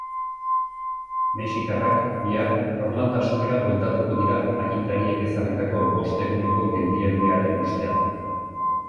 Mexikarrak bihar normaltasunera bueltatuko dira agintariek ezarritako bost eguneko geldialdiaren ostean.